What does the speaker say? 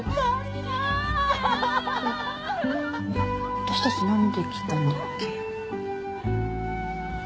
私たちなんで来たんだっけ？